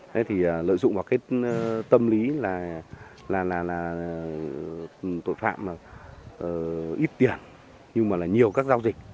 thế thì lợi dụng vào cái tâm lý là tội phạm ít tiền nhưng mà là nhiều các giao dịch